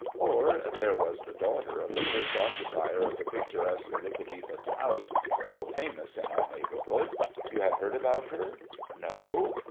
Or, there was the daughter of the first occupier of the picturesque Elizabethan house, so famous in our neighbourhood. You have heard about her? No